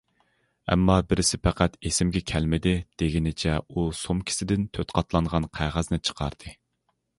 ئەمما بىرسى پەقەت ئېسىمگە كەلمىدى،- دېگىنىچە ئۇ سومكىسىدىن تۆت قاتلانغان قەغەزنى چىقاردى.